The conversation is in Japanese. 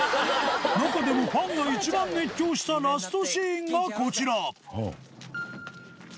中でもファンが一番熱狂したラストシーンがこちら。